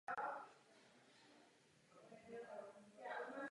Někteří fanoušci si jej proto nechávají posílat ze zahraničí.